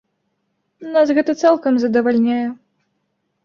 Нас гэта цалкам задавальняе.